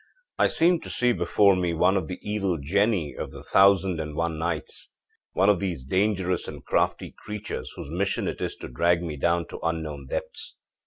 I seemed to see before me one of the evil genii of the Thousand and One Nights, one of these dangerous and crafty creatures whose mission it is to drag men down to unknown depths.